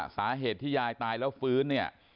สาเหตุที่ยายตายแล้วฟื้นเนี่ย